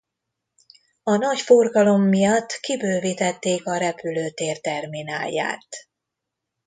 A nagy forgalom miatt kibővítették a repülőtér terminálját.